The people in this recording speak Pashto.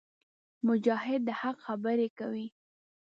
مجاهد د حق خبرې کوي.